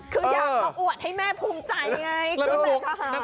คือยากตั้งอวดให้แม่ภูมิใจไง